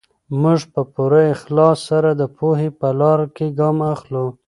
موږ په پوره اخلاص سره د پوهې په لاره کې ګام اخلو.